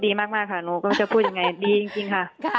ดีมากนะคะนูก็จะพูดอย่างไรดีจริงคะ